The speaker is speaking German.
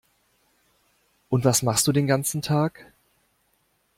Und was machst du den ganzen Tag?